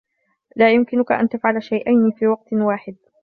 لا يمكنك أن تفعل شيئين في وقت واحد.